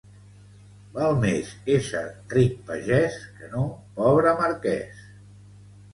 Val més ésser ric pagès, que no pobre marquès.